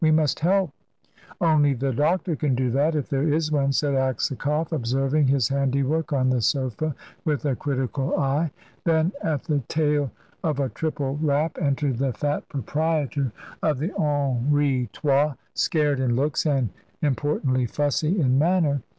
"We must help." "Only the doctor can do that if there is one," said Aksakoff, observing his handiwork on the sofa with a critical eye. Then, at the tail of a triple rap, entered the fat proprietor of the Henri Trois, scared in looks and importantly fussy in manner.